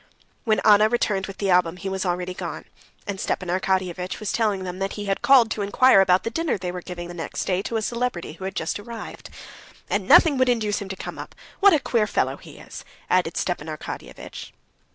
When Anna returned with the album, he was already gone, and Stepan Arkadyevitch was telling them that he had called to inquire about the dinner they were giving next day to a celebrity who had just arrived. "And nothing would induce him to come up. What a queer fellow he is!" added Stepan Arkadyevitch.